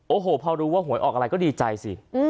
โอ้โหพอรู้ว่าหวยออกอะไรก็ดีใจสิ